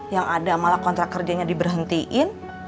yang ada malah kontrak kerjanya diberhentiin